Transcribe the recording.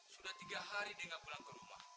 sudah tiga hari dia nggak pulang ke rumah